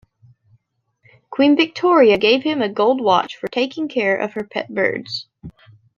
Queen Victoria gave him a gold watch for taking care of her pet birds.